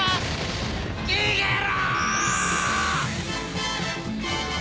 逃げろ！